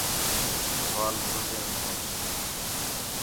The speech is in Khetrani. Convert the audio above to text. وال دھوتیم ہوچ